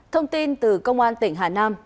thông tin từ công an tỉnh hà nam